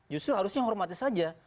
justru harusnya hormatnya saja